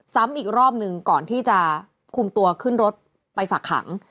ซ้ำอีกรอบหนึ่งก่อนที่จะคุมตัวขึ้นรถไปฝากขัง